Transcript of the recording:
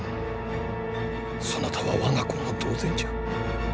そなたは我が子も同然じゃ。